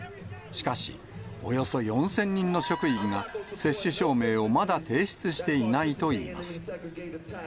しかし、およそ４０００人の職員が、接種証明をまだ提出していないといいます。